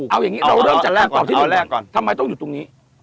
เอาอย่างนี้เราก็เริ่มจัดแลกก่อนทำไมต้องอยู่ตรงนี้